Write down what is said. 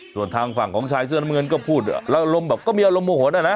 ส่วนทางฝั่งของชายเสื้อน้ำเงินก็พูดแล้วอารมณ์แบบก็มีอารมณ์โมโหนะ